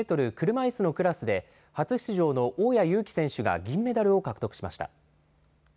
車いすのクラスで、初出場の大矢勇気選手が銀メダルを獲得しました。